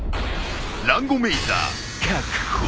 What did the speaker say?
ランゴメイザー確保。